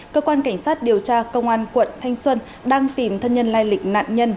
cơ quan cảnh sát điều tra công an quận thanh xuân đang tìm thân nhân lai lịch nạn nhân